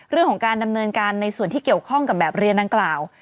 เรื่องของการดำเนินการในส่วนที่เกี่ยวข้องกับแบบเรียนดังกล่าว